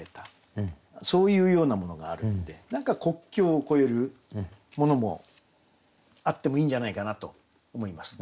そういうようなものがあるんで何か国境を越えるものもあってもいいんじゃないかなと思います。